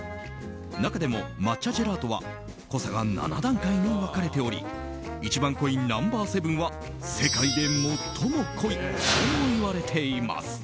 中でも、抹茶ジェラートは濃さが７段階に分かれており一番濃いＮｏ．７は世界で最も濃いともいわれています。